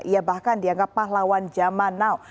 ia bahkan dianggap pahlawan zaman now